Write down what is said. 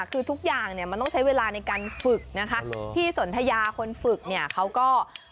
คือทุกอย่างเนี่ยมันต้องใช้เวลาในการฝึกนะคะพี่สนทยาคนฝึกเนี่ยเขาก็